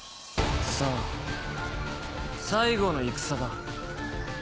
さぁ最後の戦だ。